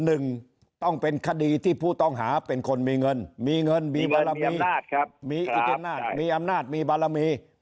หนึ่งต้องเป็นคดีที่ผู้ต้องหาเป็นคนมีเงินมีเงินมีอำนาจมีบารมี